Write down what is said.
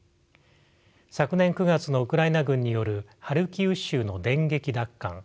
昨年９月のウクライナ軍によるハルキウ州の電撃奪還